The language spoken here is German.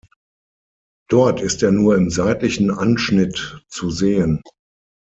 Dort ist er nur im seitlichen Anschnitt zu sehen.